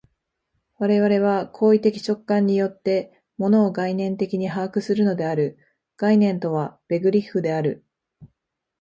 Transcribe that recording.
我々は行為的直観によって、物を概念的に把握するのである（概念とはベグリッフである）。